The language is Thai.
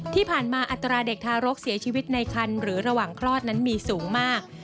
ที่ผ่านมาอัตราเด็กทารกเสียชีวิตในคันหรือระหว่างคลอดนั้นมีสูงมาก